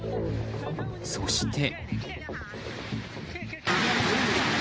そして。